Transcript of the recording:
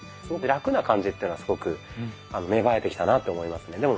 すごくラクな感じっていうのがすごく芽生えてきたなと思いますね。